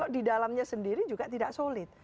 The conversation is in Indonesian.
di dalamnya sendiri juga tidak solid